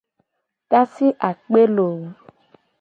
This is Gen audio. Tasi akpe looo.